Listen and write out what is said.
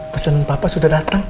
pesan papa sudah datang